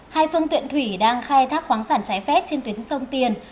hai phương tiện thủy đang khai thác khoáng sản trái phép trên tuyến sông tiền